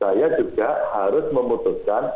saya juga harus memutuskan